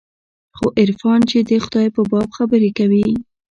خو عرفان چې د خداى په باب خبرې کوي.